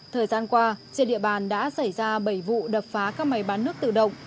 thời gian qua trên địa bàn đã xảy ra bảy vụ đập phá các máy bán nước tự động